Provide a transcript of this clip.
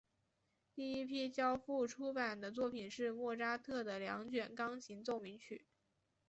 第一批交付出版的作品是莫扎特的两卷钢琴奏鸣曲。